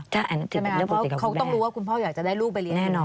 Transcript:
เพราะเขาก็ต้องรู้ว่าคุณพ่ออยากจะได้ลูกไปเรียนขึ้น